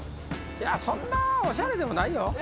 いやそんなおしゃれでもないよ。